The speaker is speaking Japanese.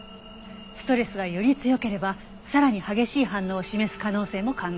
ストレスがより強ければさらに激しい反応を示す可能性も考えられます。